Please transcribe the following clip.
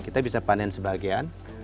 kita bisa panen sebagian